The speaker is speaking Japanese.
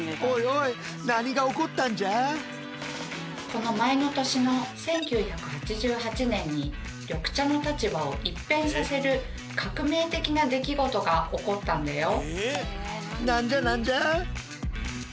この前の年の１９８８年に緑茶の立場を一変させる革命的な出来事が起こったんだよ。